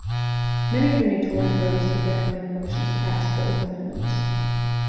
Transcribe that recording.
Many of the new Tory party's Quebec-wing motions passed, but with amendments.